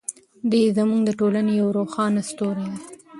دی زموږ د ټولنې یو روښانه ستوری دی.